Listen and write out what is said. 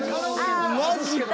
マジか。